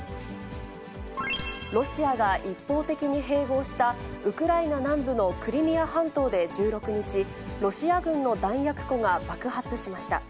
ロシアが一方的に併合したウクライナ南部のクリミア半島で１６日、ロシア軍の弾薬庫が爆発しました。